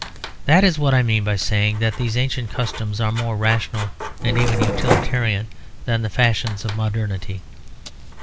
That is what I mean by saying that these ancient customs are more rational and even utilitarian than the fashions of modernity.